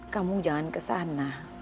kamu jangan ke sana